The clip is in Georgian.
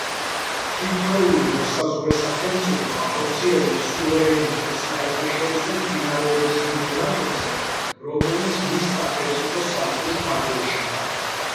თითოეული მოსაზღვრე სახელმწიფო ახორციელებს სუვერენიტეტს საერთაშორისო მდინარეების იმ მონაკვეთზე, რომელიც მის სახელმწიფო საზღვრის ფარგლებშია.